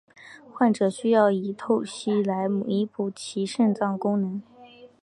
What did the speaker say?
患者需要以透析来弥补其肾脏的功能。